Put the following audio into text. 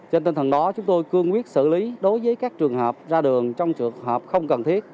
trên tinh thần đó chúng tôi cương quyết xử lý đối với các trường hợp ra đường trong trường hợp không cần thiết